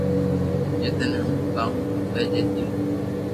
جي ٿني ھون ڪاو کپي جي ديو